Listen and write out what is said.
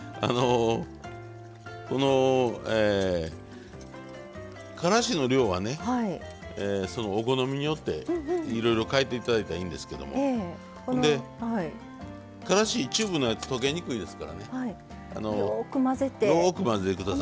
このからしの量はねそのお好みによっていろいろ変えていただいたらいいんですけどもからしチューブのやつ溶けにくいですからねよく混ぜてください。